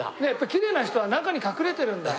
きれいな人は中に隠れてるんだ。